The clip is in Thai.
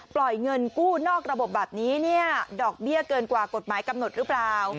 ปล่อยเงินกู้นอกระบบแบบนี้เนี่ยดอกเบี้ยเกินกว่ากฎหมายกำหนดหรือเปล่า